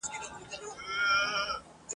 پر اولس د کرارۍ ساعت حرام وو !.